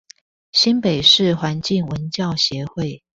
新北市環境文教協會